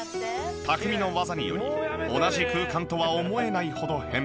匠の技により同じ空間とは思えないほど変貌。